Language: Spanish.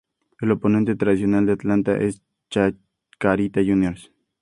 El oponente tradicional de Atlanta es Chacarita Juniors.